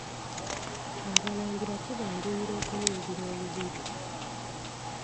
Abalangira kibanguyira okuyingira olubiri.